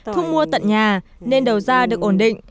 thu mua tận nhà nên đầu ra được ổn định